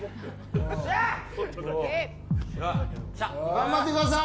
頑張ってください。